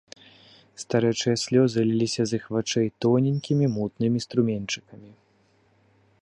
Старэчыя слёзы ліліся з іх вачэй тоненькімі мутнымі струменьчыкамі.